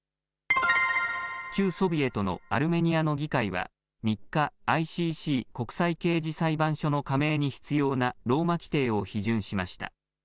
旧ソビエトのアルメニアの議会は３日、ＩＣＣ・国際刑事裁判所の加盟に必要なローマ規程を批准しました。